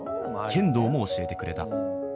剣道も教えてくれた。